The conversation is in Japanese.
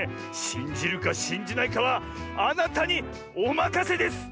しんじるかしんじないかはあなたにおまかせです！